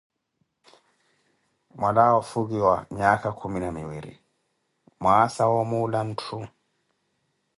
Mwalawa ofukiwa nyaaka khumi na miwiri, mwaasa wa omuula ntthu.